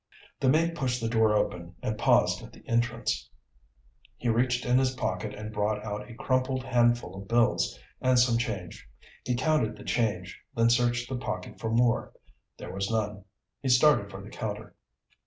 The mate pushed the door open and paused at the entrance. He reached in his pocket and brought out a crumpled handful of bills and some change. He counted the change, then searched the pocket for more. There was none. He started for the counter.